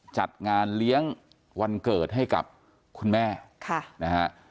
จัดงานเลี้ยงวันเกิดให้กับคุณแม่ค่ะนะฮะ